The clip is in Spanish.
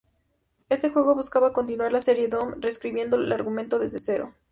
Este juego buscaba continuar la serie "Doom" reescribiendo el argumento desde cero.